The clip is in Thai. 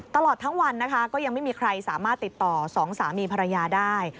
ตลอดทั้งวันนะคะก็ยังไม่มีใครสามารถติดต่อสองสามีภรรยาได้